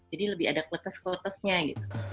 jadi lebih ada kletes kletesnya gitu